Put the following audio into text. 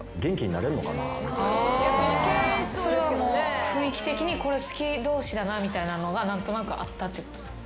それは雰囲気的にこれ好き同士だなみたいなのが何となくあったってことですか？